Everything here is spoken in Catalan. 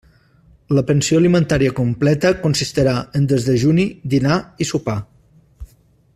La pensió alimentària completa consistirà en desdejuni, dinar i sopar.